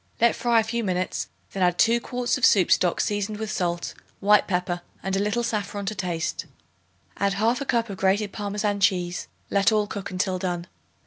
Let fry a few minutes; then add 2 quarts of soup stock seasoned with salt, white pepper and a little saffron to taste. Add 1/2 cup of grated Parmesan cheese; let all cook until done.